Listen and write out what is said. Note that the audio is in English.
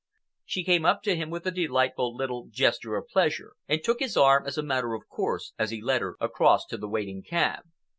She came up to him with a delightful little gesture of pleasure, and took his arm as a matter of course as he led her across to the waiting cab.